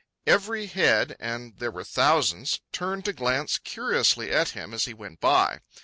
Every head—and there were thousands—turned to glance curiously at him as he went by.